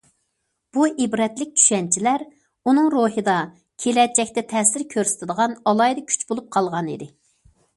بۇ ئىبرەتلىك چۈشەنچىلەر ئۇنىڭ روھىدا كېلەچەكتە تەسىر كۆرسىتىدىغان ئالاھىدە كۈچ بولۇپ قالغانىدى.